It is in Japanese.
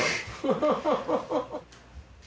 ハハハハ。